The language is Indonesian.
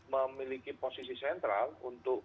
memiliki posisi sentral untuk